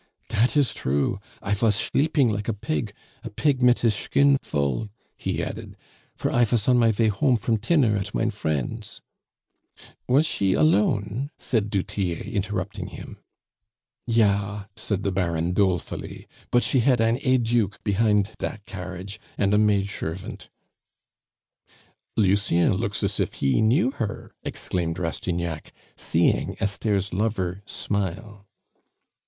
"Dat is true; I vas shleeping like a pig a pig mit his shkin full," he added, "for I vas on my vay home from tinner at mine friend's " "Was she alone?" said du Tillet, interrupting him. "Ja," said the Baron dolefully; "but she had ein heiduque behind dat carriage and a maid shervant " "Lucien looks as if he knew her," exclaimed Rastignac, seeing Esther's lover smile.